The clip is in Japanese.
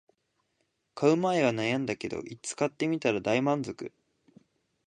買う前は悩んだけど使ってみたら大満足